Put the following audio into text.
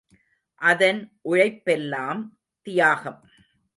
அதன் உழைப்பெல்லாம் தியாகம்.